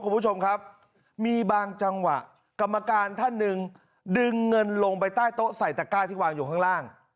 คุณผู้ชมครับมีบางจังหวะกรรมการท่านหนึ่งดึงเงินลงไปใต้โต๊ะใส่ตะก้าที่วางอยู่ข้างล่าง